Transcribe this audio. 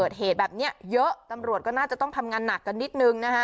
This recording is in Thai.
เกิดเหตุแบบนี้เยอะตำรวจก็น่าจะต้องทำงานหนักกันนิดนึงนะฮะ